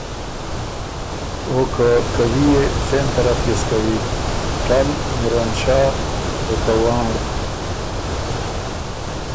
او که کوی يې څېن طرف يې سو کوی، ټل، میروم شا او که وانړ۔